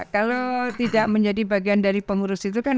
kalau tidak menjadi bagian dari pengurus itu kan